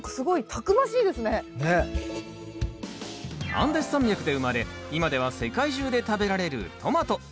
アンデス山脈で生まれ今では世界中で食べられるトマト。